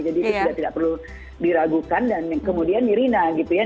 jadi itu sudah tidak perlu diragukan dan kemudian nirina gitu ya